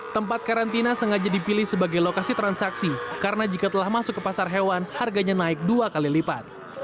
tempat karantina sengaja dipilih sebagai lokasi transaksi karena jika telah masuk ke pasar hewan harganya naik dua kali lipat